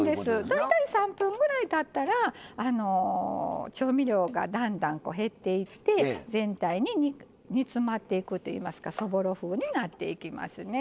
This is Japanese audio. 大体３分ぐらいたったら調味料がだんだん減っていって全体に煮詰まっていくといいますかそぼろ風になっていきますね。